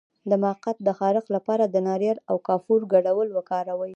د مقعد د خارښ لپاره د ناریل او کافور ګډول وکاروئ